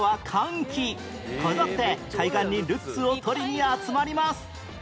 こぞって海岸にルッツを取りに集まります